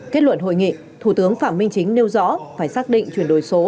kết luận hội nghị thủ tướng phạm minh chính nêu rõ phải xác định chuyển đổi số